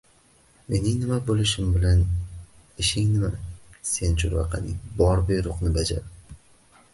— Mening nima bo‘lishim bilan ishing nima sen churvaqaning? Bor, buyruqni bajar!